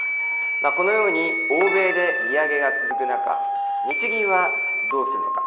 このように欧米で利上げが続く中、日銀はどうするのか。